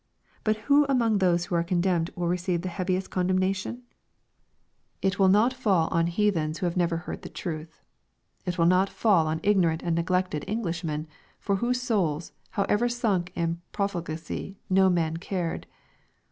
But who among those who are condemned will receive the heaviest condemnation ? It will not fall on heathens 848 EXPOSITORY THOUGHTS. who never heard the truth. It will not fall on ignorant and neglected Englishmen, for whose souls, however sunk in profligacy, no man cared.